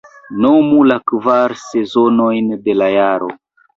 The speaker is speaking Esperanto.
Nomu la kvar sezonojn de la jaro.